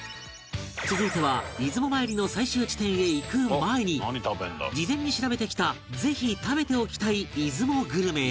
続いては出雲参りの最終地点へ行く前に事前に調べてきたぜひ食べておきたい出雲グルメへ